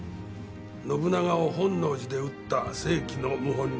信長を本能寺で討った世紀の謀反人